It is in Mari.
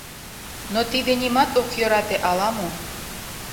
Но тиде нимат ок йӧрате ала-мо.